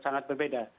ya sangat berbeda